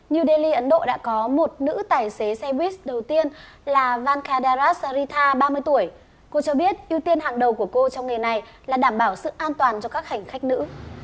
new delhi ấn độ đã có một nữ tài xế xe buýt đầu tiên là vankadaras sarita ba mươi tuổi cô cho biết ưu tiên hàng đầu của cô trong nghề này là đảm bảo sự an toàn cho các hành khách nữ